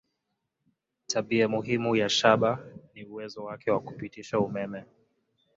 Tabia muhimu ya shaba ni uwezo wake wa kupitisha umeme.